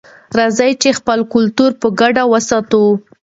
راځئ چې خپل کلتور په ګډه وساتو.